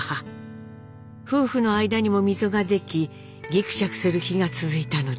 夫婦の間にも溝ができぎくしゃくする日が続いたのです。